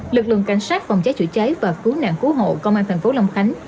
lực lượng cảnh sát phòng cháy chữa cháy và cứu nạn cứu hộ công an thành phố long khánh